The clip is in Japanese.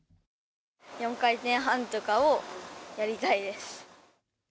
４回転半とかをやりたいです。